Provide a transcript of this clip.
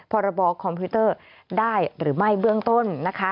พรบคอมพิวเตอร์ได้หรือไม่เบื้องต้นนะคะ